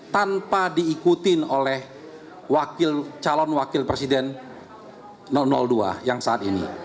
tanpa diikutin oleh calon wakil presiden dua yang saat ini